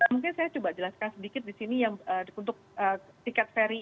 mungkin saya coba jelaskan sedikit di sini untuk tiket ferry ini